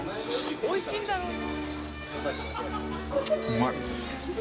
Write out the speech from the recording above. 「おいしいんだろうな」